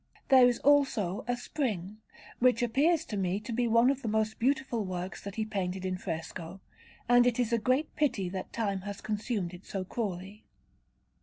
There is also a Spring, which appears to me to be one of the most beautiful works that he painted in fresco, and it is a great pity that time has consumed it so cruelly.